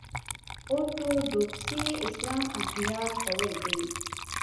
اورتوډوکسي اسلام احیا کول دي.